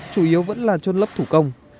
chủ yếu vẫn là chôn lớp thủ công